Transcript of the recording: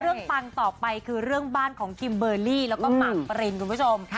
ปังต่อไปคือเรื่องบ้านของคิมเบอร์รี่แล้วก็หมากปรินคุณผู้ชม